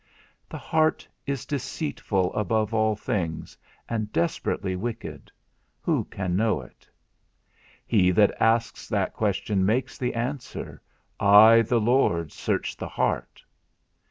The heart is deceitful above all things, and desperately wicked; who can know it? He that asks that question makes the answer, I the Lord search the heart.